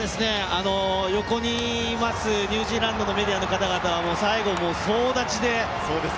横にいるニュージーランドのメディアの方が総立ちで。